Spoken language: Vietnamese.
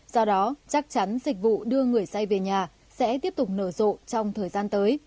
do đó chắc chắn dịch vụ đưa người say về nhà sẽ tiếp tục nở rộ trong thời gian tới